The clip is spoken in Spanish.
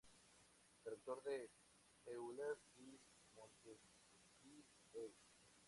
Traductor de Euler y Montesquieu.